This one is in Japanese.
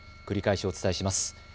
繰り返しお伝えします。